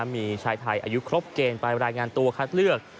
มีชายไทยอายุครบเกณฑ์ไปรายงานตัวคัดเลือก